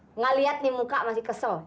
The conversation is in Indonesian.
tidak lihat nih muka masih kesel